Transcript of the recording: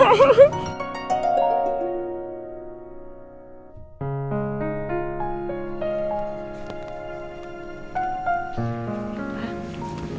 kamu cantik banget sih